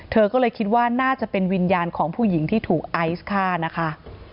เธอก็เลยคิดว่าน่าจะเป็นวิญญาณของผู้หญิงที่ถูกไอซ์ฆ่านะคะ